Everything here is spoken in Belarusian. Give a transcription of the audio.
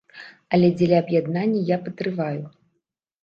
Але дзеля аб'яднання я патрываю.